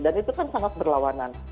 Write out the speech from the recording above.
dan itu kan sangat berlawanan